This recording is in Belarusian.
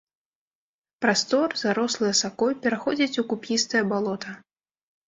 Прастор, зарослы асакой, пераходзіць у куп'істае балота.